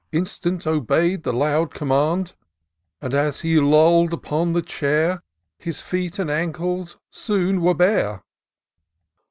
Instant obey'd the loud command ; And, as he loU'd upon the chair. His feet and ankles soon were bare.